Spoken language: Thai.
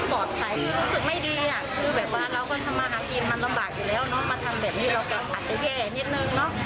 ก็ไม่ได้เยอะอะไรค่ะ